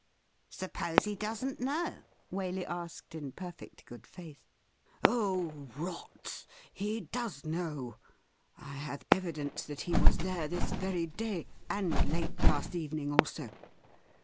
' Suppose he doesn't know ?' Waley asked in perfect good faith. SOO THE RIDDLE RING ' Oh, rot ! He does know. I have evidence that he was there this very day, and late last evening also.'